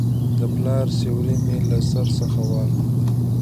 د پلار سیوری مې له سر څخه والوت.